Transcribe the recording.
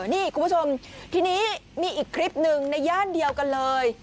นี่คุณผู้ชมทีนี้มีอีกคลิปหนึ่งในย่านเดียวกันเลย